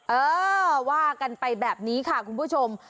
เออว่ากันไปแบบนี้ค่ะคุณผู้ชม